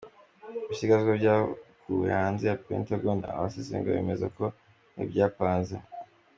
Ibisigazwa byakuwe hanze ya Pentagon, abasesengura bemeza ko ari ibyapanze.